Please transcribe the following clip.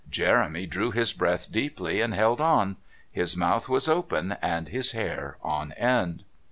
Jeremy drew his breath deeply and held on. His mouth was open and his hair on end..